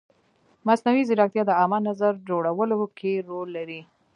مصنوعي ځیرکتیا د عامه نظر جوړولو کې رول لري.